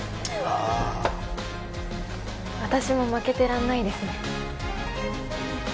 私も負けてらんないですね